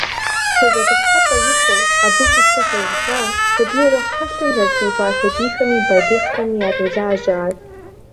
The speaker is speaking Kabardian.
ПсэзэпылъхьэпӀэ ихуэу, абы гущтэ хэзыха, сабиигъуэ хьэлъэм зэтрихуа сабийхэми балигъхэми ядолажьэ ар.